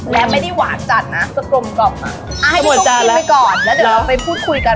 และไม่ได้หวานจัดนะจะกลมกล่อมอ่ะอ่าให้หมดจานไปก่อนแล้วเดี๋ยวเราไปพูดคุยกัน